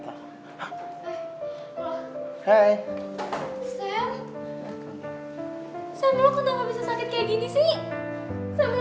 kamu gak akan tetap merasa isyarat gue